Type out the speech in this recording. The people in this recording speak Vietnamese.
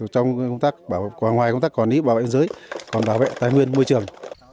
trong công tác bảo vệ ngoài công tác còn ý bảo vệ biên giới còn bảo vệ tài nguyên môi trường